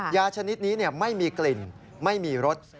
ชนิดนี้ไม่มีกลิ่นไม่มีรส